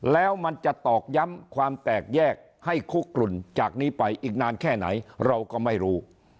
แล้วมันจะตอกย้ำความแตกแยกให้คุกกลุ่นจากนี้ไปอีกนานแค่ไหนเราก็ไม่รู้